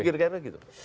begini pak raffi